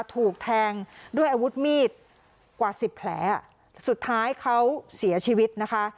ถูกแทงด้วยอาวุธมีดกว่าสิบแผลสุดท้ายเขาเสียชีวิตนะคะ